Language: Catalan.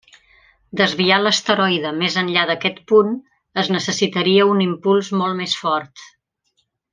Desviar l'asteroide més enllà d'aquest punt, es necessitaria un impuls molt més fort.